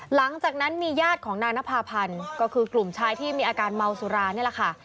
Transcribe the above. หลังจากนั้นมีญาติของนางนภาพันธ์ก็คือกลุ่มชายที่มีอาการเมาสุรานี่แหละค่ะ